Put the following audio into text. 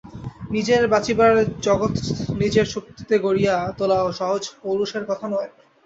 নিজের বঁচিবার জগৎট নিজের শক্তিতে গড়িয়া তোলাও সহজ পৌরুষের কথা নয়।